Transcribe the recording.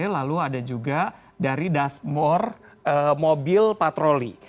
lalu ada juga dari dasmor mobil patroli